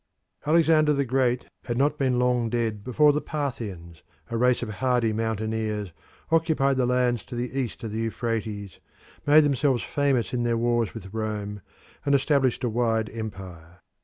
Alexander the Great had not been long dead before the Parthians, a race of hardy mountaineers, occupied the lands to the east of the Euphrates, made themselves famous in their wars with Rome, and established a wide empire.